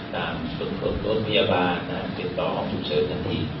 ตามส่วนผลโน้นพยาบาลตามติดต่อของผู้เชิญทางที่